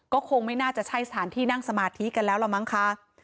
ก็คงไม่น่าจะใช่สถานที่นั่งสมาธิกันแล้วล่ะมั้งคะ